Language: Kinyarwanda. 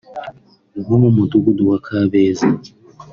wo mu Mudugudu wa Kabeza